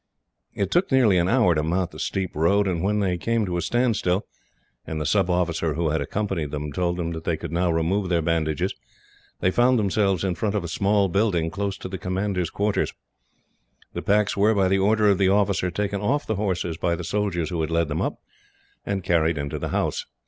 It took nearly an hour to mount the steep road, and when they came to a standstill, and the sub officer who had accompanied them told them they could now remove their bandages, they found themselves in front of a small building, close to the commander's quarters. The packs were, by the order of the officer, taken off the horses by the soldiers who had led them up, and carried into the house.